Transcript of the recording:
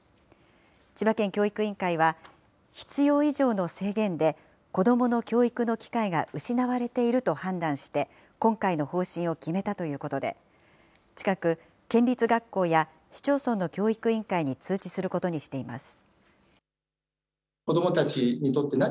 千葉県教育委員会は、必要以上の制限で、子どもの教育の機会が失われていると判断して、今回の方針を決めたということで、近く、県立学校や市町村の教育委員会に通知することにしています。